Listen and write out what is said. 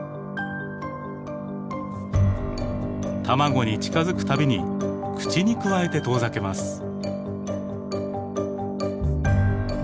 卵に近づくたびに口にくわえて遠ざけます。